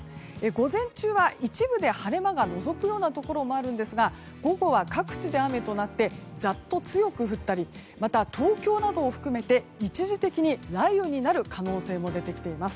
午前中は一部で晴れ間がのぞくようなところもあるんですが午後は、各地で雨となってざっと強く降ったり東京などを含めて一時的に雷雨になる可能性も出てきています。